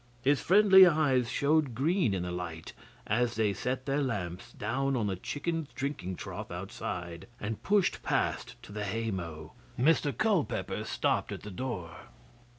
His friendly eyes showed green in the light as they set their lamps down on the chickens' drinking trough outside, and pushed past to the hay mow. Mr Culpeper stooped at the door.